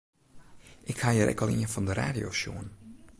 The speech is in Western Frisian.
Ik ha hjir ek al ien fan de radio sjoen.